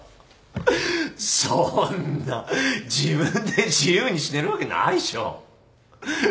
そんな自分で自由に死ねるわけないっしょ。